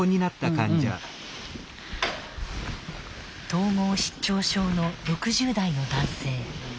統合失調症の６０代の男性。